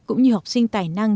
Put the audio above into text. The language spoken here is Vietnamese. cũng như học sinh tài năng